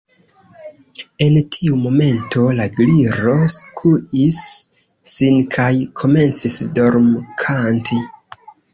En tiu momento la Gliro skuis sin kaj komencis dormkanti.